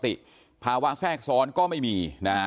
ปกติภาวะแทรกซ้อนก็ไม่มี